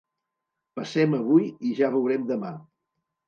Passem avui i ja veurem demà.